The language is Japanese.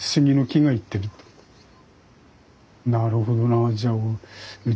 なるほどなじゃあう